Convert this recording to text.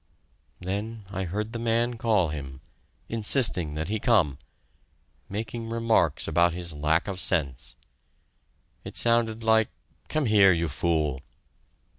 Then I heard the man call him insisting that he come making remarks about his lack of sense. It sounded like "Come here, you fool!"